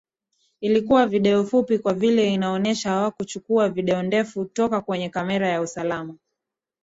Ilikuwa video fupi kwa vile inaonesha hawakuchukua video ndefu toka kwenye kamera ya usalama